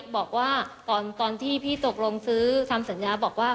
บอกว่าตอนที่พี่ตกลงซื้อทำสัญญาบอกว่า